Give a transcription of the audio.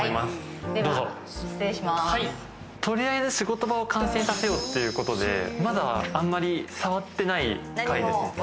取りあえず仕事場を完成させようっていうことでまだあんまり触ってない階です。